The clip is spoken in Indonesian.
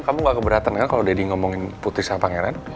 kamu gak keberatan kan kalau deddy ngomongin putri sama pangeran